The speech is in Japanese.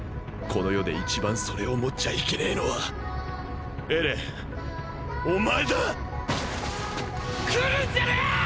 この世で一番それを持っちゃいけねぇのはエレンお前だ！